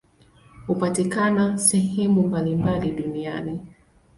Hupatikana sehemu mbalimbali duniani.